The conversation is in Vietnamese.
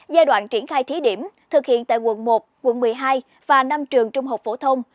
giai đoạn triển khai thí điểm thực hiện tại quận một quận một mươi hai và năm trường trung học phổ thông